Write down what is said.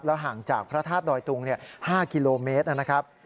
แล้วห่างจากพระทาสดอยตุงเนี่ยห้ากิโลเมตรนะครับ